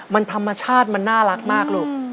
มันธรรมชาติมันน่ารักมากลูก